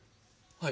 はい？